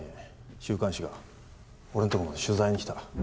週刊誌が俺んとこまで取材に来た。